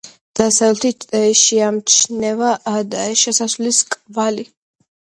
დასავლეთით შეიმჩნევა შესასვლელის კვალი.